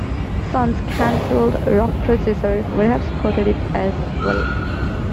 Sun's cancelled Rock processor would have supported it as well.